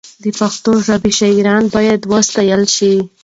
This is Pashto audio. د پښتو ژبې شاعران باید وستایل شي.